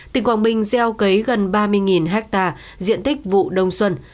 tỉnh quảng bình gieo cấy gần ba mươi ha diện tích vụ đông xuân